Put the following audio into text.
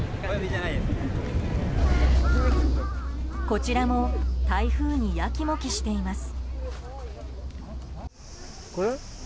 こちらも台風にやきもきしています。